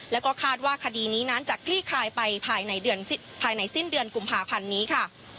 แล้วก็คาดว่าคดีนี้นั้นจะคลี่คลายไปภายในสิ้นเดือนกุมภาพันธ์นี้ค่ะ